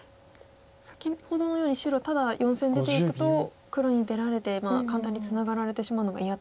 先ほどのように白ただ４線出ていくと黒に出られて簡単にツナがられてしまうのが嫌と。